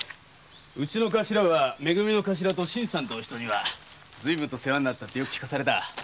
うちのカシラは「め組」のカシラと新さんてお人には随分と世話になったってよく聞かされた。